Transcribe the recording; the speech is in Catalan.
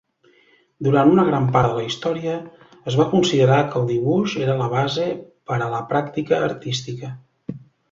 Durant una gran part de la història, es va considerar que el dibuix era la base per a la pràctica artística.